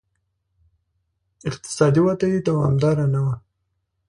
اقتصادي وده یې دوامداره نه وه